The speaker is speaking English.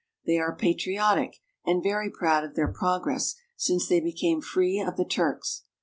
They are patri otic, and very proud of their progress since they became free of the Turks.